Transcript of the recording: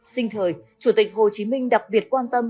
sinh thời chủ tịch hồ chí minh đặc biệt quan tâm